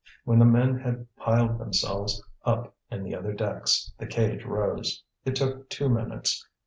When the men had piled themselves up in the other decks the cage rose. It took two minutes.